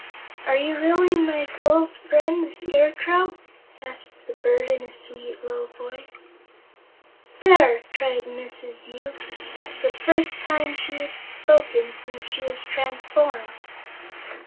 "Are you really my old friend, the Scarecrow?" asked; the bird, in a sweet, low voice. "There!" cried Mrs. Yoop; "that's the first time she has spoken since she was transformed."